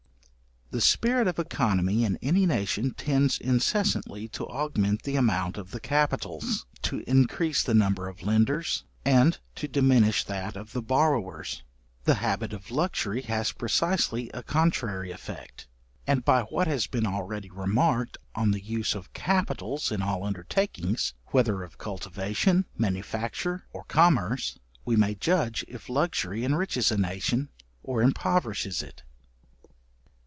The spirit of œconomy in any nation tends incessantly to augment the amount of the capitals, to increase the number of lenders, and to diminish that of the borrowers. The habit of luxury has precisely a contrary effect, and by what has been already remarked on the use of capitals in all undertakings, whether of cultivation, manufacture, or commerce, we may judge if luxury enriches a nation, or impoverishes it.